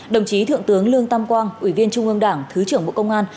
đồng chí thượng tướng lương tam quang ủy viên trung ương đảng thứ trưởng bộ công an